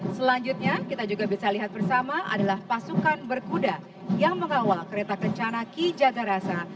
selanjutnya kita juga bisa lihat bersama adalah pasukan berkuda yang mengawal kereta kencana ki jagarasa